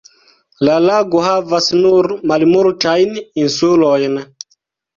La lago havas nur malmultajn insulojn.